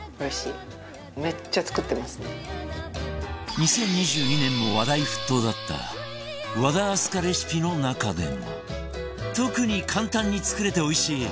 ２０２２年も話題沸騰だった和田明日香レシピの中でも特に簡単に作れておいしい